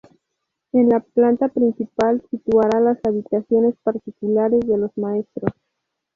En la planta principal, situará las habitaciones particulares de los maestros.